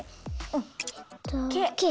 えっとｋ。